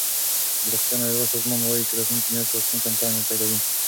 د روغتیا نړیوال سازمان وايي چې راتلونکې میاشت واکسین کمپاین پیلوي.